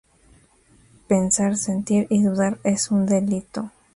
Pensar, sentir y dudar es un delito.